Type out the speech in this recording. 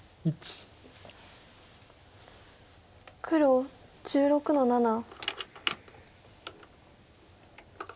黒１６の七。